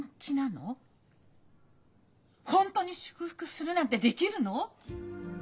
本当に祝福するなんてできるの！？